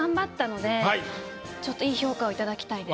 ちょっと良い評価を頂きたいです。